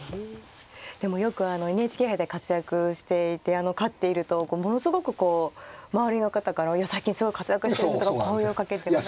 でもよくＮＨＫ杯で活躍していて勝っているとものすごくこう周りの方から最近すごい活躍してるとか声をかけてもらってた。